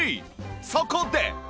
そこで！